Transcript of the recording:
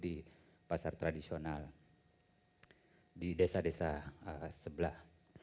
ama saja di pasar tradisional di desa desa sebelah